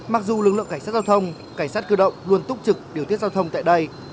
mặc dù lực lượng cảnh sát giao thông cảnh sát cơ động luôn túc trực điều tiết giao thông tại đây